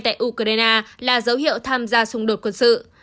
tại ukraine là dấu hiệu tham gia xung đột quân sự